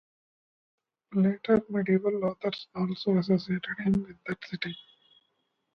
Later medieval authors also associated him with that city.